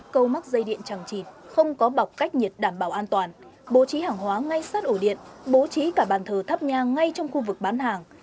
câu mắc dây điện chẳng chịt không có bọc cách nhiệt đảm bảo an toàn bố trí hàng hóa ngay sát ổ điện bố trí cả bàn thờ thắp nha ngay trong khu vực bán hàng